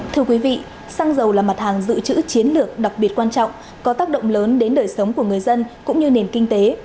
thưa quý vị xăng dầu là mặt hàng dự trữ chiến lược đặc biệt quan trọng có tác động lớn đến đời sống của người dân cũng như nền kinh tế